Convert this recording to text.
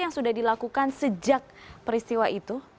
yang sudah dilakukan sejak peristiwa itu